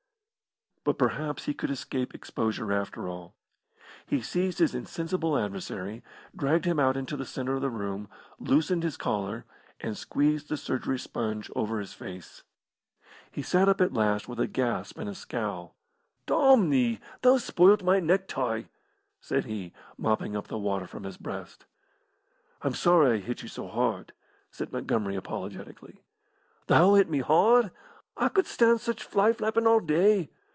But perhaps he could escape exposure after all. He seized his insensible adversary, dragged him out into the centre of he room, loosened his collar, and squeezed the surgery sponge over his face. He sat up at last with a gasp and a scowl. "Domn thee, thou's spoilt my neck tie," said he, mopping up the water from his breast. "I'm sorry I hit you so hard," said Montgomery, apologetically. "Thou hit me hard! I could stan' such fly flappin' all day.